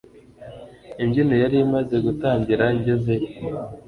Imbyino yari imaze gutangira ngezeyo